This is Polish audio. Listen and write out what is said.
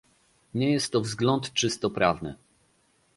Nie jest to wzgląd czysto prawny